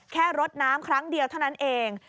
รดน้ำครั้งเดียวเท่านั้นเอง